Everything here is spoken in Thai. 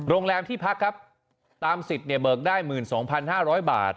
โรงแรมที่พักครับตามสิทธิ์เนี่ยเบิกได้๑๒๕๐๐บาท